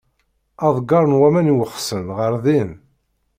Aḍegger n waman i iwesxen ɣer din.